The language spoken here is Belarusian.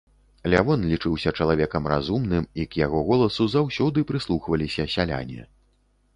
Лявон лічыўся чалавекам разумным, і к яго голасу заўсёды прыслухваліся сяляне.